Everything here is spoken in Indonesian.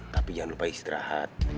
tapi jangan lupa istirahat